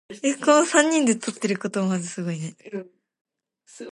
Data in most blockchains are public meaning that anyone can view the contents.